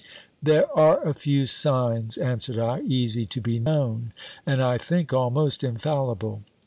"There are a few signs," answered I, "easy to be known, and, I think, almost infallible."